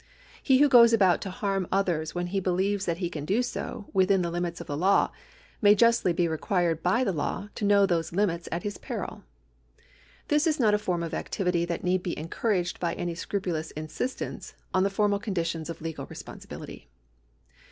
He who goes about to harm others when he believes that he can do so within the limits of the law, may justly be required by the law to know those limits at his peril. This is not a form of activity that need be encoiu^aged by any scrupidous insistence on the formal conditions of legal responsibility.